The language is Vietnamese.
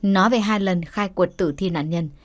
nói về hai lần khai quật tử thi nạn nhân